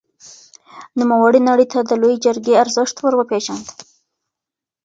نوموړي نړۍ ته د لويې جرګې ارزښت ور وپېژاند.